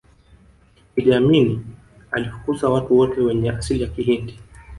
iddi amini alifukuza watu wote wenye asili ya kihindi